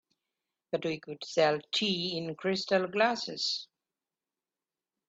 But we could sell tea in crystal glasses.